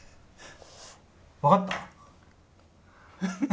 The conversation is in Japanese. わかった？